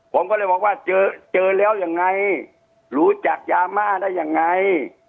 ผมก็เลยบอกว่าเจอเจอแล้วยังไงรู้จักยาบ้าได้ยังไง